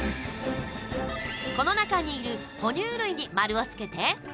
この中にいる哺乳類に丸をつけて。